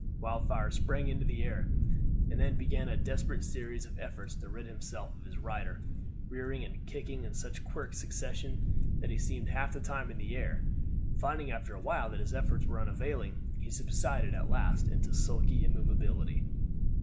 Wildfire sprang into the air, and then began a desperate series of efforts to rid himself of his rider, rearing and kicking in such quick succession that he seemed half the time in the air. Finding after awhile that his efforts were unavailing, he subsided at last into sulky immovability.